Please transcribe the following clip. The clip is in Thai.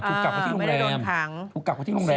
ถูกกับเขาที่โรงแรมถูกกับเขาที่โรงแรม